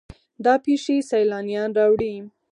دا پیښې سیلانیان راوړي.